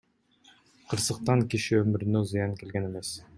Кырсыктан киши өмүрүнө зыян келген эмес.